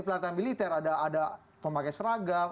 pelatihan militer ada pemakai seragam